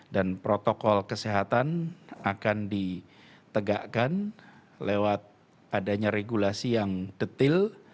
dan protokol kesehatan akan ditegakkan lewat adanya regulasi yang detil